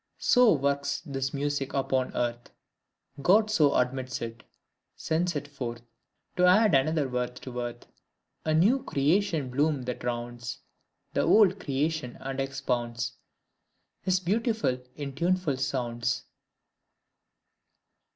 "So works this music upon earth God so admits it, sends it forth. To add another worth to worth A new creation bloom that rounds The old creation, and expounds His Beautiful in tuneful sounds."